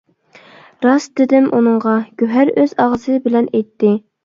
— راست، — دېدىم ئۇنىڭغا، — گۆھەر ئۆز ئاغزى بىلەن ئېيتتى.